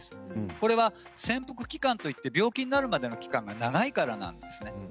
これは潜伏期間といって病気になるまでの間が長いからなんです。